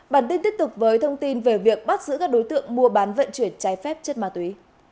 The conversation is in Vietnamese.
bản tin tiếp tục với thông tin về việc bắt giữ các đối tượng mua bán vận chuyển trái phép chất ma túy